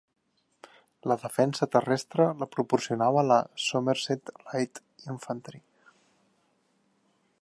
La defensa terrestre la proporcionava la Somerset Light Infantry.